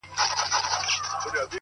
توري جامې ګه دي راوړي دي نو وایې غونده